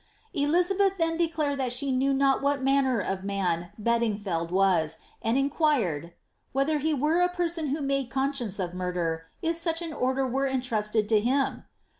Elizabeth then declared that she knew not what manner of man Bed ingfeld was, and inquired, ^ whether he were a person who made eon science of murder, if such an order were entmsted to him